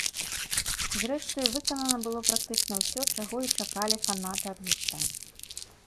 Зрэшты, выканана было практычна ўсё, чаго і чакалі фанаты ад гурта.